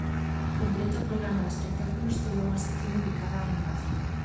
Completa o programa de espectáculos toda unha sección dedicada á animación.